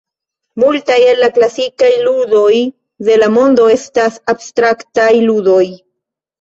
Multaj el la klasikaj ludoj de la mondo estas abstraktaj ludoj.